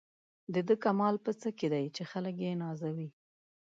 د ده کمال په څه کې دی چې خلک یې نازوي.